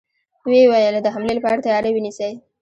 و يې ويل: د حملې له پاره تياری ونيسئ!